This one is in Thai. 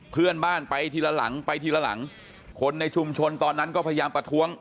เพื่อนบ้านไปทีละหลังไปทีละหลังคนในชุมชนตอนนั้นก็พยายามประท้วง